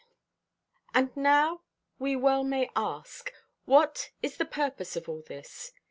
And now we well may ask: What is the purpose of all this?